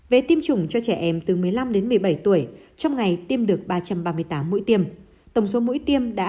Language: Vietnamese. về tiêm chủng cho trẻ em từ một mươi năm đến một mươi bảy tuổi trong ngày tiêm được ba trăm ba mươi tám mũi tiêm tổng số mũi tiêm đã